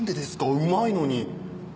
うまいのに。